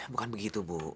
bukan begitu bu